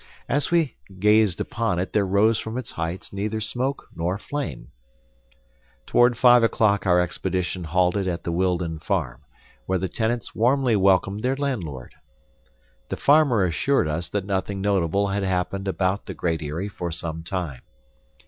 As we gazed upon it, there rose from its heights neither smoke nor flame. Toward five o'clock our expedition halted at the Wildon farm, where the tenants warmly welcomed their landlord. The farmer assured us that nothing notable had happened about the Great Eyrie for some time.